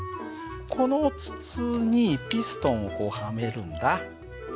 この筒にピストンをこうはめるんだ。